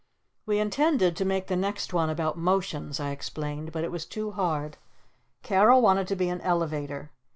"We intended to make the next one about 'Motions,'" I explained. "But it was too hard. Carol wanted to be an Elevator!